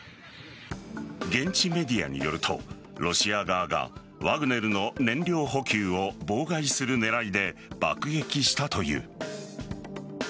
現地メディアによるとロシア側がワグネルの燃料補給を妨害する狙いで爆撃したという。